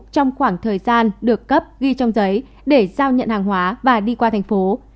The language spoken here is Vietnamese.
trong khoảng thời gian được cấp ghi trong giấy để giao nhận hàng hóa và đi qua thành phố